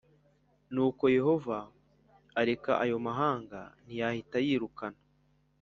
Nuko Yehova areka ayo mahanga ntiyahita ayirukana